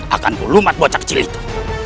akanku lumat bocah kecil itu